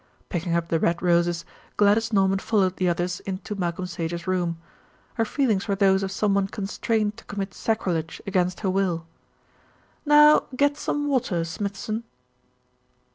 Picking up the red roses, Gladys Norman followed the others into Malcolm Sage's room. Her feelings were those of someone constrained to commit sacrilege against her will. "Now get some water, Smithson."